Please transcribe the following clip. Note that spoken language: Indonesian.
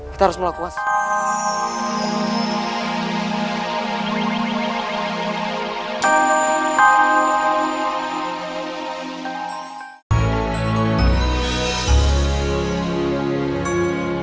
kita harus melakukan